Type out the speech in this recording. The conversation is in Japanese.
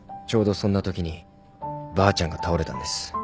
ちょうどそんなときにばあちゃんが倒れたんです。